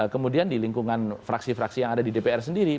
kemudian di lingkungan fraksi fraksi yang ada di dpr sendiri